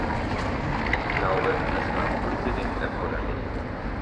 Ich glaube, das war unbedingt erforderlich.